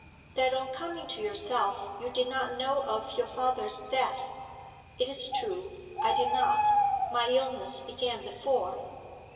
'That on coming to yourself you did not know of your father's death.' 'It is true; I did not. My illness began before.'